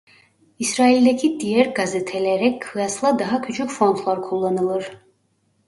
İsrail'deki diğer gazetelere kıyasla daha küçük fontlar kullanılır.